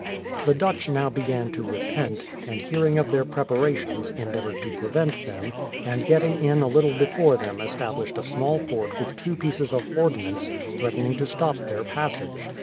The Dutch now began to repent, and hearing of their preparations, endeavoured to prevent them, and getting in a little before them established a small fort with two pieces of ordnance, threatening to stop their passage.